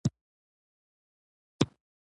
ذخیره کولو او ناوړه کارونې له امله رامنځ ته شوي